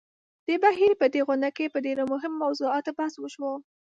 د بهېر په دې غونډه کې په ډېرو مهمو موضوعاتو بحث وشو.